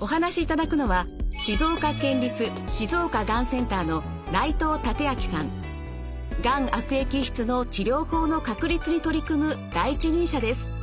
お話しいただくのはがん悪液質の治療法の確立に取り組む第一人者です。